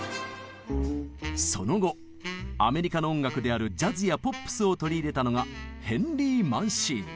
その後アメリカの音楽であるジャズやポップスを取り入れたのがヘンリー・マンシーニ。